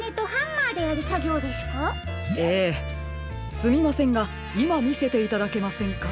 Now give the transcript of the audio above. すみませんがいまみせていただけませんか？